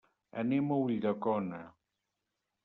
Anem a Ulldecona.